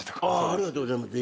ありがとうございます。